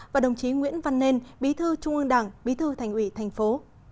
và đồng chí nguyễn văn nên bí thư trung ương đảng bí thư thành ủy thành phố